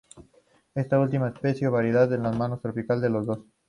Está última especie o variedad es la menos tropical de las dos.